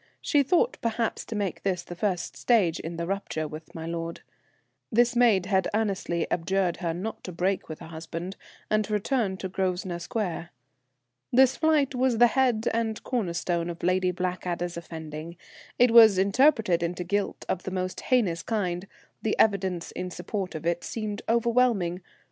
She thought, perhaps, to make this the first stage in the rupture with my lord. This maid had earnestly adjured her not to break with her husband, and to return to Grosvenor Square. This flight was the head and corner stone of Lady Blackadder's offending. It was interpreted into guilt of the most heinous kind; the evidence in support of it seemed overwhelming.